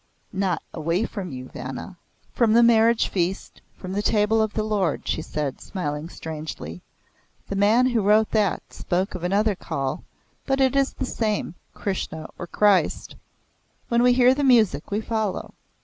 "Not away from you, Vanna." "From the marriage feast, from the Table of the Lord," she said, smiling strangely. "The man who wrote that spoke of another call, but it is the same Krishna or Christ. When we hear the music we follow.